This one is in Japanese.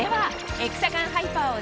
エクサガンハイパーを